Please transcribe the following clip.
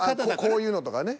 こういうのとかね。